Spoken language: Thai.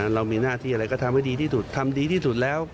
เรามีหน้าที่อะไรก็ทำให้ดีที่สุดทำดีที่สุดแล้ว